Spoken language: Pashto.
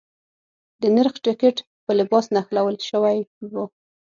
د نرخ ټکټ په لباس نښلول شوی و.